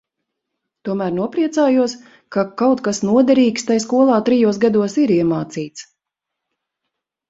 Tomēr nopriecājos, ka kaut kas noderīgs tai skolā trijos gados ir iemācīts.